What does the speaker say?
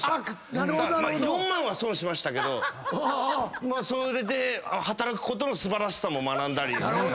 ４万は損しましたけどまあそれで働くことの素晴らしさも学んだり。